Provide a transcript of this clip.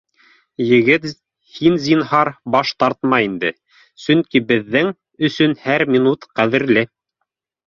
Егет, һин, зинһар, баш тартма инде, сөнки беҙҙең өсөн һәр минут ҡәҙерле